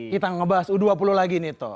kita ngebahas u dua puluh lagi nih toh